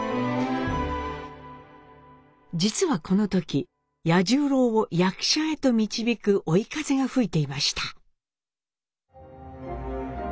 実はこの時八十郎を役者へと導く追い風が吹いていました。